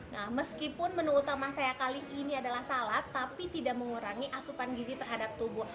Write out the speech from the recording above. nah meskipun menu utama saya kali ini adalah salad tapi tidak mengurangi asupan gizi terhadap tubuh